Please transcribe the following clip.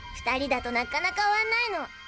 ２人だとなかなか終わんないの。